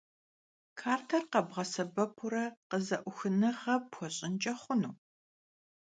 Karter khebğesebepure khıze'uxınığe pxueş'ınç'e xhunu?